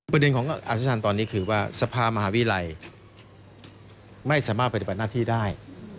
ประเด็นของอาชันตอนนี้คือว่าสภามหาวิทยาลัยไม่สามารถปฏิบัติหน้าที่ได้